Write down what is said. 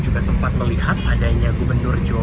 juga sempat melihat adanya gubernur jawa